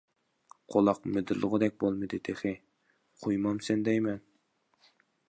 قۇلاق مىدىرلىغۇدەك بولمىدى تېخى، قۇيمامسەن دەيمەن.